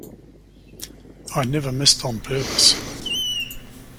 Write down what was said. I never missed on purpose.